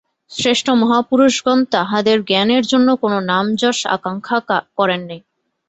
শ্রেষ্ঠ মহাপুরুষগণ তাঁহাদের জ্ঞানের জন্য কোন নাম-যশ আকাঙ্ক্ষা করেন নাই।